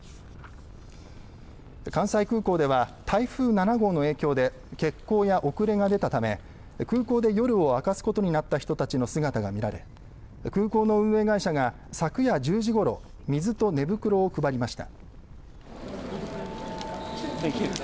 関西空港では台風７号の影響で欠航や遅れが出たため空港で夜を明かすことになった人たちの姿が見られ空港の運営会社が昨夜１０時ごろ水と寝袋を配りました。